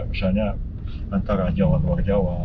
misalnya antara jawa luar jawa